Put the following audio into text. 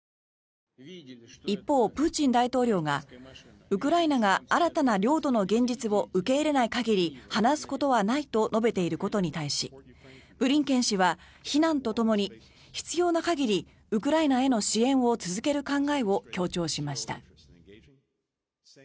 一方、プーチン大統領がウクライナが新たな領土の現実を受け入れない限り話すことはないと述べていることに対しブリンケン氏は非難とともに、必要な限りウクライナへの支援を続ける考えを強調しました。